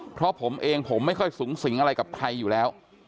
เพราะผมเองผมไม่ค่อยสูงสิงอะไรกับใครอยู่แล้ว